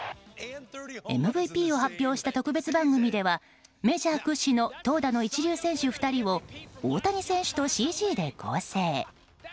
ＭＶＰを発表した特別番組ではメジャー屈指の投打の一流選手２人を大谷選手とＣＧで合成。